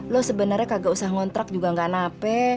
lo sebenernya kagak usah ngontrak juga gak nape